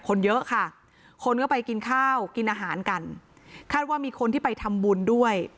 คนเยอะค่ะคนก็ไปกินข้าวกินอาหารกันคาดว่ามีคนที่ไปทำบุญด้วย